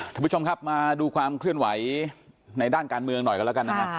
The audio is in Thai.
ทุกผู้ชมครับมาดูความเคลื่อนไหวในด้านการเมืองหน่อยกันแล้วกันนะฮะ